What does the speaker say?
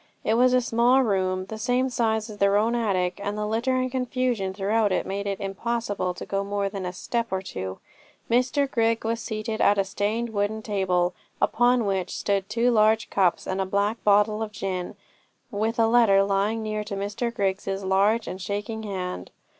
It was a small room, the same size as their own attic, and the litter and confusion throughout made it impossible to go in more than a step or two. Mr Grigg was seated at a stained wooden table, upon which stood two large cups and a black bottle of gin, with a letter lying near to Mr Grigg's large and shaking hand.